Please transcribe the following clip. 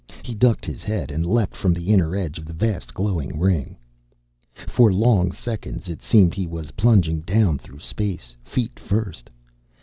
He ducked his head and leapt from the inner edge of the vast glowing ring. For long seconds, it seemed, he was plunging down through space, feet first.